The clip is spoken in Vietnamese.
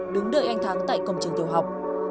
đứng đợi anh thắng tại cổng trường tiểu học